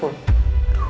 jadi angkat bu